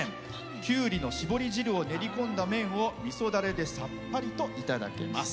きゅうりのしぼり汁を練り込んだ麺をみそだれで、さっぱりといただきます。